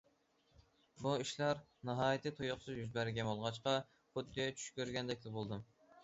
بۇ ئىشلار ناھايىتى تۇيۇقسىز يۈز بەرگەن بولغاچقا، خۇددى چۈش كۆرگەندەكلا بولدۇم.